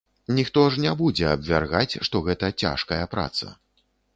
Ніхто ж не будзе абвяргаць, што гэта цяжкая праца.